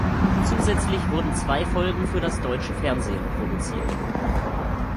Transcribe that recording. Zusätzlich wurden zwei Folgen für das deutsche Fernsehen produziert.